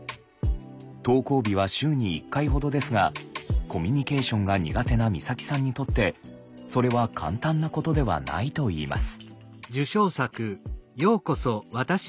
登校日は週に１回ほどですがコミュニケーションが苦手な光沙季さんにとってそれは簡単なことではないといいます。